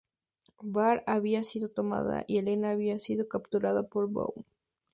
Bar había sido tomada y Elena había sido capturada por Bohun.